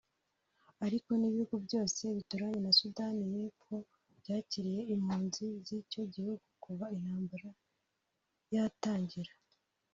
ariko n’ibihugu byose bituranye na Sudani y’Epfo byakiriye impunzi z’icyo gihugu kuva intambara yatangira